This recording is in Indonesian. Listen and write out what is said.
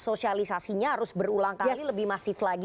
sosialisasinya harus berulang kali lebih masif lagi